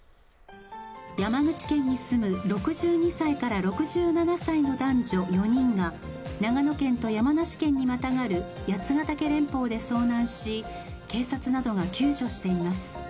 山口県に住む６２歳から６７歳の男女４人が長野県と山梨県にまたがる八ヶ岳連峰で遭難し、警察などが救助しています。